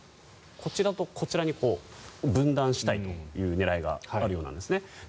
地図で言うと、こちらとこちらに分断したいという狙いがあるようなんですね。